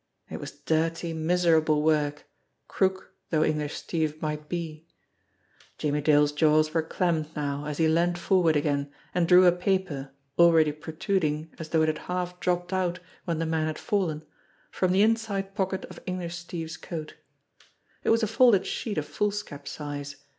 It was dirty, miserable work, crook though English Steve might be! Jimmie Dale's jaws were clamped now, as he leaned forward again and drew a paper, already protruding as though it had half dropped out when the man had fallen, from the inside pocket of English Steve's coat. It was a folded sheet of foolscap size.